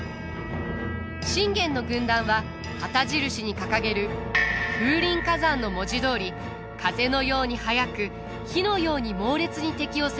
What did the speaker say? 信玄の軍団は旗印に掲げる「風林火山」の文字どおり風のように速く火のように猛烈に敵を攻めたてます。